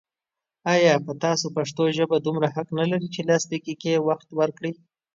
آيا په تاسو پښتو ژبه دومره حق نه لري چې لس دقيقې وخت ورکړئ